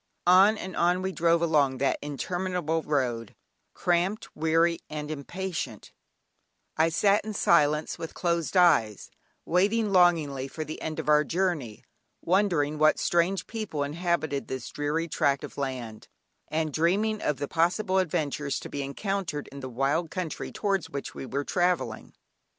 On and on we drove along that interminable road, cramped, weary, and impatient; I sat in silence with closed eyes, waiting longingly for the end of our journey, wondering what strange people inhabited this dreary tract of land, and dreaming of the possible adventures to be encountered in the wild country towards which we were travelling.